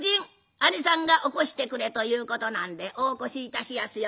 あねさんが起こしてくれということなんでお起こしいたしやすよ。